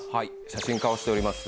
写真家をしております